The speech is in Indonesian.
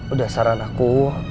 udah saran aku